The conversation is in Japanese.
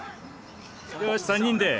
よし３人で。